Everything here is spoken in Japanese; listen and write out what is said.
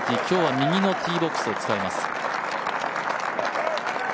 今日は右のティーボックスを使います。